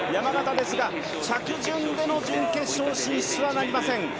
着順での準決勝進出はなりません。